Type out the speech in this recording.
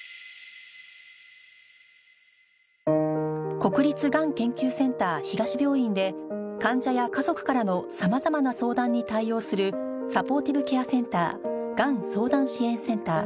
国立がん研究センター東病院で患者や家族からの様々な相談に対応するサポーティブケアセンター／がん相談支援センター